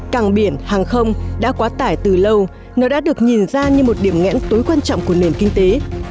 càng biển hàng không đã quá tải từ lâu nó đã được nhìn ra như một điểm nghẽn tối quan trọng của nền kinh tế